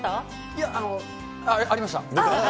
いや、ありました。